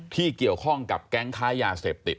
ที่เกี่ยวข้องกับแก๊งค้ายาเสพติด